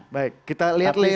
baik kita lihat lain